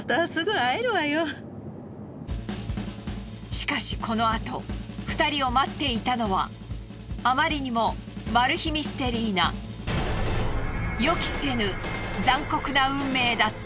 しかしこの後２人を待っていたのはあまりにもマル秘ミステリーな予期せぬ残酷な運命だった。